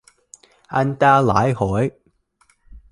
Anh ta lại hỏi